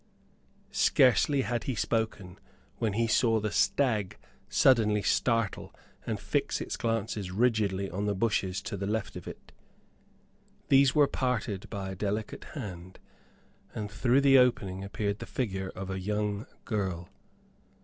Scarcely had he spoken when he saw the stag suddenly startle and fix its glances rigidly on the bushes to the left of it. These were parted by a delicate hand, and through the opening appeared the figure of a young girl.